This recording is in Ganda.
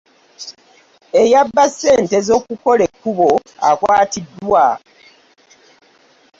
Eyabba ssente z'okukola ekubo akwatiiddwa.